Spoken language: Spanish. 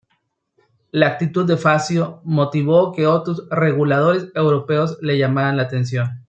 La actitud de Fazio motivó que otros reguladores europeos le llamaran la atención.